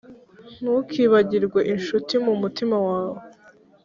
Ntukibagirwe incuti mu mutima wawe,